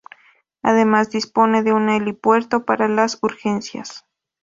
Además, dispone de un helipuerto para las urgencias.